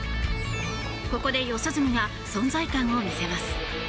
ここで四十住が存在感を見せます。